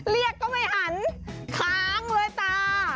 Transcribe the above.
เรียกก็ไม่หันค้างเลยตา